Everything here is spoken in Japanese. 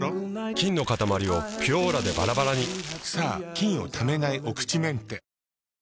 菌のかたまりを「ピュオーラ」でバラバラにさぁ菌をためないお口メンテ。